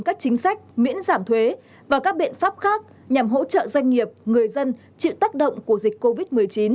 các chính sách miễn giảm thuế và các biện pháp khác nhằm hỗ trợ doanh nghiệp người dân chịu tác động của dịch covid một mươi chín